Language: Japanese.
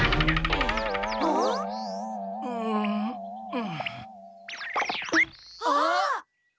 うん。あっ！